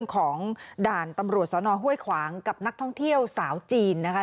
ของด่านตำรวจสนห้วยขวางกับนักท่องเที่ยวสาวจีนนะคะ